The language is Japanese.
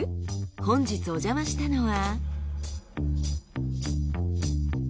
本日おじゃましたのは。